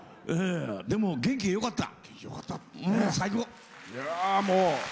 でも元気よかった。